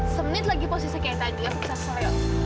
semenit lagi posisi kayak tadi aku susah selayang